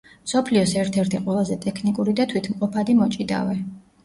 მსოფლიოს ერთ-ერთი ყველაზე ტექნიკური და თვითმყოფადი მოჭიდავე.